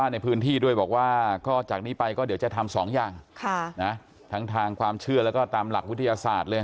เดี๋ยวจะทำสองอย่างทั้งทางความเชื่อและก็ตามหลักวิทยาศาสตร์เลย